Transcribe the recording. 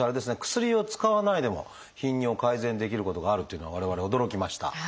薬を使わないでも頻尿を改善できることがあるというのは我々驚きました。